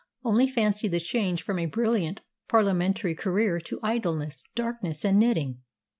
Only fancy the change from a brilliant Parliamentary career to idleness, darkness, and knitting."